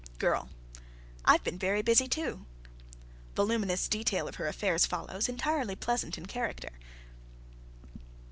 GIRL. "I've been very busy, too." (_Voluminous detail of her affairs follows, entirely pleasant in character.